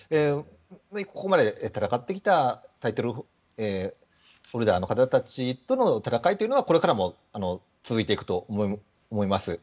ここまで戦ってきたタイトルホルダーの方たちとの戦いというのは、これからも続いていくと思います。